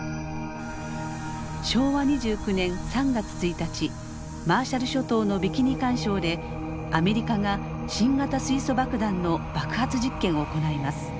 昭和２９年３月１日マーシャル諸島のビキニ環礁でアメリカが新型水素爆弾の爆発実験を行います。